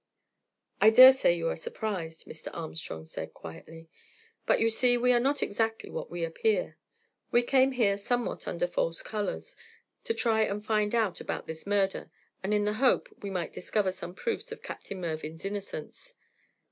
"I dare say you are surprised," Mr. Armstrong said, quietly, "but you see we are not exactly what we appear. We came here somewhat under false colours, to try and find out about this murder, and in the hope we might discover some proofs of Captain Mervyn's innocence.